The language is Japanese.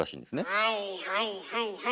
はいはいはいはい。